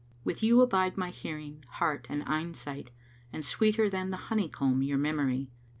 With you abide my hearing, heart and eyen sight * And (sweeter than the honeycomb) your memory.